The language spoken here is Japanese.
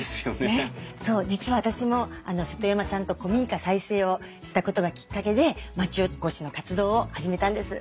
そう実は私も瀬戸山さんと古民家再生をしたことがきっかけで町おこしの活動を始めたんです。